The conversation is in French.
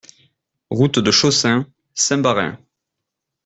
Route de Chaussin, Saint-Baraing